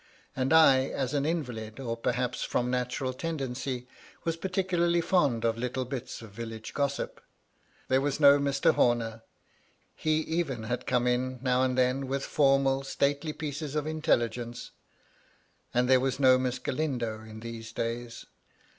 And I, as an invalid, or perhaps from natural tendency, was particu larly fond of little bits of village gossip. There was no Mr. Horner — he even had come in, now and then, with formal, stately pieces of intelligence — and there was no Miss Galindo, in these days.